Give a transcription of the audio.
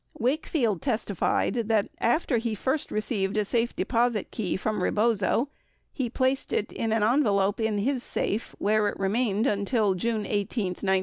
83 Wakefield testified that after he first received a safe deposit key from Rebozo, he placed it in an envelope in his safe, where it remained until June 18, 1973.